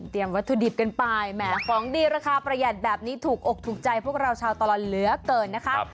วัตถุดิบกันไปแหมของดีราคาประหยัดแบบนี้ถูกอกถูกใจพวกเราชาวตลอดเหลือเกินนะคะ